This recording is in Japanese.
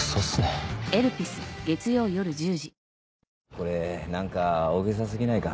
これ何か大げさすぎないか？